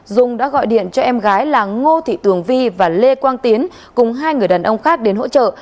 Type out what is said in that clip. dung đã gọi điện cho em gái là ngô thị tường vi và lê quang tiến cùng hai người đàn ông khác đến hỗ trợ